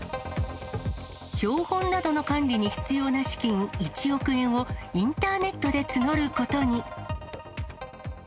標本などの管理に必要な資金１億円を、インターネットで募ることに。